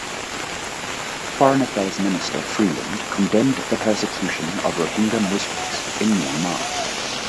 Foreign affairs minister Freeland condemned the persecution of Rohingya Muslims in Myanmar.